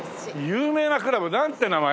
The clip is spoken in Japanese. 有名なクラブ！なんて名前？